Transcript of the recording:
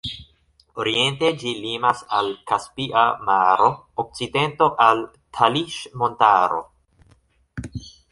Oriente ĝi limas al Kaspia maro, okcidento al Taliŝ-Montaro.